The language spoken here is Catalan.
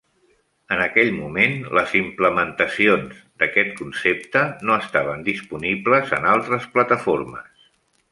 En aquell moment, les implementacions d'aquest concepte no estaven disponibles en altres plataformes.